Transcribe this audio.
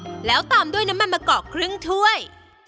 แล้วตามด้วยน้ำมันมะกอกครึ่งถ้วย